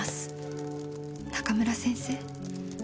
「中村先生